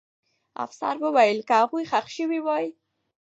افسر وویل چې که هغوی ښخ سوي وای.